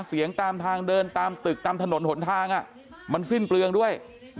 เสียงตามทางเดินตามตึกตามถนนหนทางมันสิ้นเปลืองด้วย